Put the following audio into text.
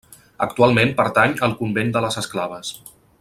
Actualment pertany al Convent de les Esclaves.